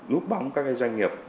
nút bóng các cái doanh nghiệp